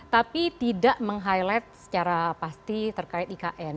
tapi tidak meng highlight secara pasti terkait ikn